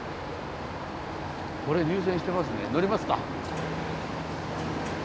これ入線してますね乗りますか。